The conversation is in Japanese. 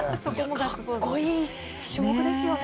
かっこいい種目ですよね。